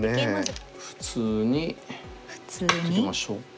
普通に打ちましょうか。